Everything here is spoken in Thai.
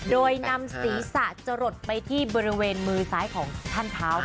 โดยนำศีรษะจะหลดไปที่บริเวณมือซ้ายของท่านเท้า